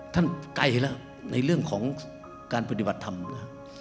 ไกลแล้วในเรื่องของการปฏิบัติธรรมนะ